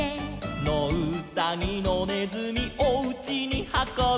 「のうさぎのねずみおうちにはこぶ」